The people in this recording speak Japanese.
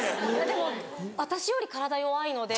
でも私より体弱いので。